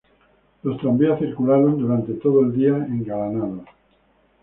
Los tranvías circularon durante todo el día engalanados.